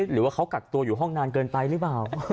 หรือว่าเขากักตัวอยู่ห้องนานเกินไปหรือเปล่า